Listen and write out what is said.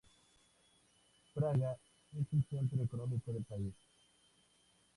Praga es el centro económico del país.